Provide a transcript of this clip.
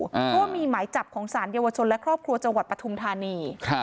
เพราะว่ามีหมายจับของสารเยาวชนและครอบครัวจังหวัดปฐุมธานี